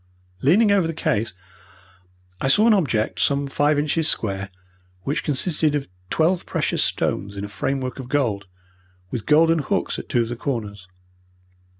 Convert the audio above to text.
Leaning over the case I saw an object, some five inches square, which consisted of twelve precious stones in a framework of gold, with golden hooks at two of the corners.